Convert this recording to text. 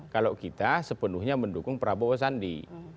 kalau kita sepenuhnya mendukung prabowo sandi